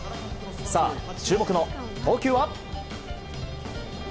さあ、注目の投球は。